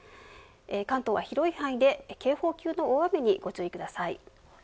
関東は広い範囲で警報級の大雨にご注意ください。